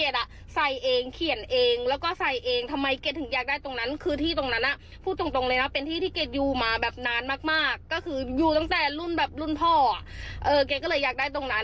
เดี๋ยวดูกันว่าแม่เกดตอบว่าอะไรค่ะ